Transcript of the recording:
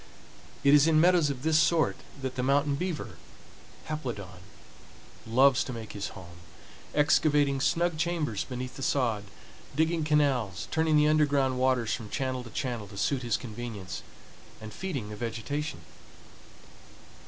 It is in meadows of this sort that the mountain beaver (Haplodon) loves to make his home, excavating snug chambers beneath the sod, digging canals, turning the underground waters from channel to channel to suit his convenience, and feeding the vegetation.